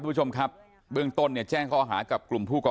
ผู้ชมครับเบื้องต้นเนี่ยแจ้งข้อหากับกลุ่มผู้ก่อ